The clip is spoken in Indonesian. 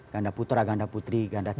ganda putra ganda putri ganda tiga